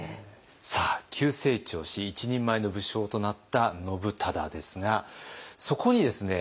さあ急成長し一人前の武将となった信忠ですがそこにですね